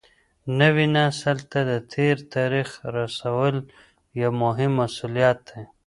نوي نسل ته د تېر تاریخ رسول یو مهم مسولیت دی.